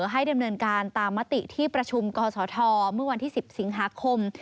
ให้ดำเนินการตามมติที่ประชุมกศม๑๐สิงหาคม